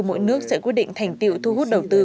mỗi nước sẽ quyết định thành tiệu thu hút đầu tư